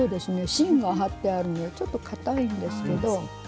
芯が貼ってあるのでちょっとかたいんですけど。